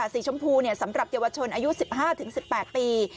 สีชมพูสำหรับเยาวชนอายุ๑๕๑๘ปี